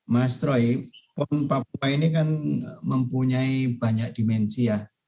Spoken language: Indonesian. mas troy pon papua ini kan mempunyai banyak dimensi ya